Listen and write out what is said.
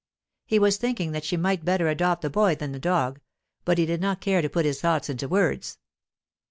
He was thinking that she might better adopt the boy than the dog, but he did not care to put his thoughts into words.